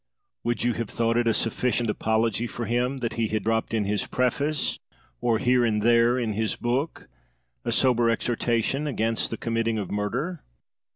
Would you have thought it a sufficient apology for him that he had dropped in his preface, or here and there in his book, a sober exhortation against the committing of murder?